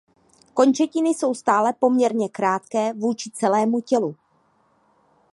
Končetiny jsou stále poměrně krátké vůči celému tělu.